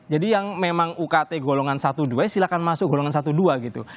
jadi yang memang ukt golongan satu dua silahkan masuk golongan satu dua gitu